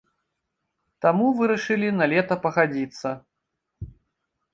Таму вырашылі на лета пагадзіцца.